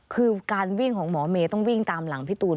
คือการวิ่งของหมอเมย์ต้องวิ่งตามหลังพี่ตูน